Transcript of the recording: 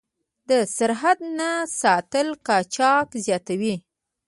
د سرحد نه ساتل قاچاق زیاتوي.